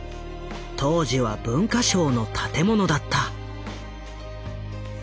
当時は文化省の建物だった。